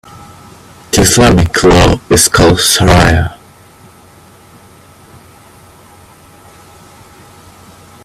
The Islamic law is called shariah.